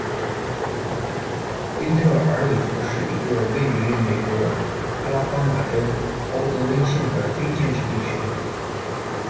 利特尔里弗是一个位于美国阿拉巴马州鲍德温县的非建制地区。